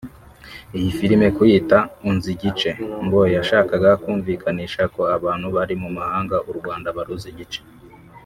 Iyi Filme kuyita “Unzi Igice” ngo yashakaga kumvikanisha ko abantu bari mu mahanga u Rwanda baruzi igice